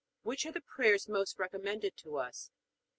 Which are the prayers most recommended to us?